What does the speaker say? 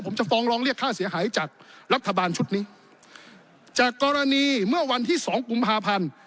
ผมจะฟ้องร้องเรียกค่าเสียหายจากรัฐบาลชุดนี้จากกรณีเมื่อวันที่สองกุมภาพันธ์